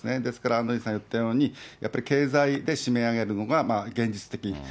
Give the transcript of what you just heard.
ですから、アンドリーさん言ったように、やっぱり経済で締め上げるのが現実的。